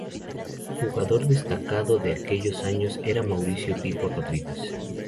Jugador destacado de aquellos años era Mauricio "Pipo" Rodríguez.